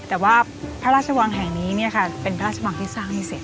แต่ว่าพระราชวังแห่งนี้เนี่ยค่ะเป็นพระราชวังที่สร้างพิเศษ